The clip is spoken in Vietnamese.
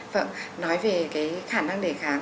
vâng nói về cái khả năng đề kháng